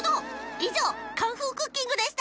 いじょう「カンフークッキング」でした！